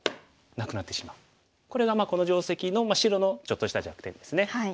これがこの定石の白のちょっとした弱点ですね。